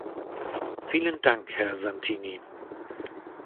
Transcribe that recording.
Vielen Dank, Herr Santini.